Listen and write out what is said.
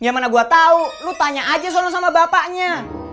yang mana gua tau lu tanya aja sama bapaknya